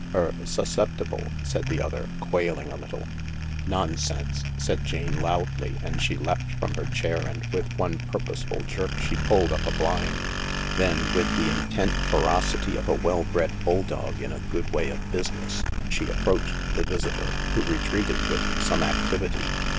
" Er— susceptible," said the other, quailing a little. \" Nonsense I " said Jane loudly, and she leapt from her chair and with one purposeful jerk she pulled up a blind. Then, with the intent ferocity of a well bred bulldog in a good way of business, she approached the visitor, who retreated with some activity.